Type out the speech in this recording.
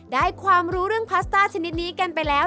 ได้ความรู้เรื่องพาสต้าชนิดนี้กันไปแล้ว